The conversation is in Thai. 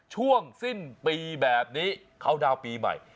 ช่วงสิ้นปีแบบนี้เขาดาวน์ปีใหม่